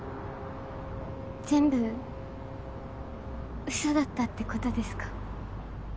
全部嘘だったってことですか？